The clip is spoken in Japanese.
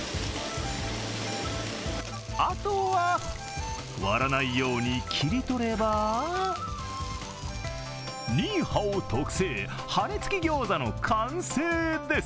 あとは、割らないように切り取ればニーハオ特製、羽根付きギョーザの完成です。